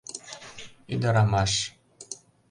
Ӱдырамаш...